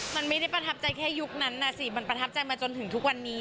มันไม่ได้ประทับใจแค่ยุคนั้นน่ะสิมันประทับใจมาจนถึงทุกวันนี้